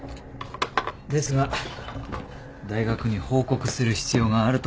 ですが大学に報告する必要があると思うんです。